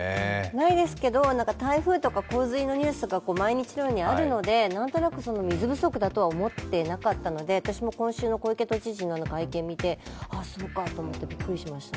ないですけど、台風とか洪水のニュースが毎日のようにあるのでなんとなく水不足だとは思っていなかったので私も今週の小池知事の会見を見てあそうかと思ってビックリしました。